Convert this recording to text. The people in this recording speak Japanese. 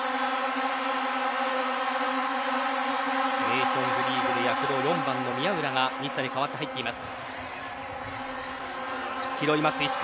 ネーションズリーグで躍動４番の宮浦が西田に代わって入っています。